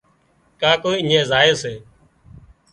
ڪاڪو اڃين زائي سي